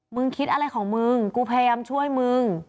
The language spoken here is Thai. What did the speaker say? คิดอะไรของมึงกูพยายามช่วยมึง